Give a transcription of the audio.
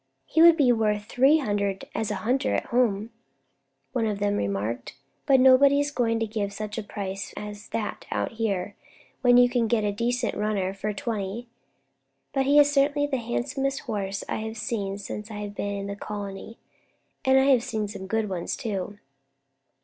"He would be worth three hundred as a hunter at home," one of them remarked, "but nobody's going to give such a price as that out here, when you can get a decent runner for twenty; but he is certainly the handsomest horse I have seen since I have been in the colony, and I have seen some good ones, too."